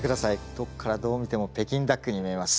どっからどう見ても北京ダックに見えます。